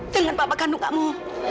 dengan papa kandung kamu